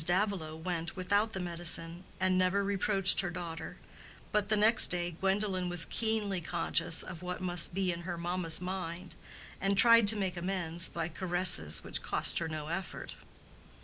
Davilow went without the medicine and never reproached her daughter; but the next day Gwendolen was keenly conscious of what must be in her mamma's mind, and tried to make amends by caresses which cost her no effort.